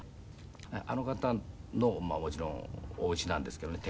あの方のもちろんおうちなんですけどね